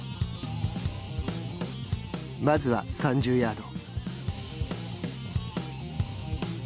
まずは３０ヤード。